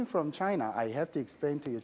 dari china saya harus menjelaskan kepada anda